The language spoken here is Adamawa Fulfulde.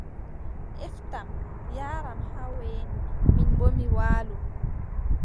Eftam, yaaram haa weendu, min boo, mi waalo.